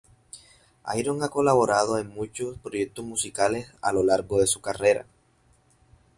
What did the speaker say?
Irons ha colaborado en muchos proyectos musicales a lo largo de su carrera.